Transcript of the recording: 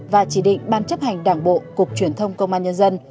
và chỉ định ban chấp hành đảng bộ cục truyền thông công an nhân dân